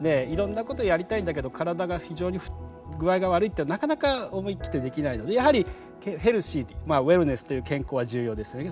いろんなことをやりたいんだけど体が非常に具合が悪いっていうのはなかなか思い切ってできないのでやはりヘルシーまあウエルネスという健康は重要です。